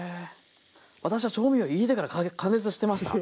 私は調味料入れてから加熱してました。